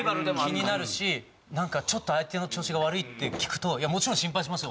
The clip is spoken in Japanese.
気になるしなんかちょっと相手の調子が悪いって聞くともちろん心配しますよ。